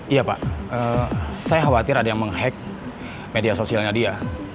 iya pak saya khawatir ada yang menghack media sosialnya dia